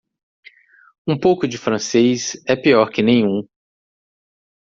Um pouco de francês é pior que nenhum.